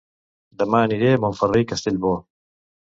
Dema aniré a Montferrer i Castellbò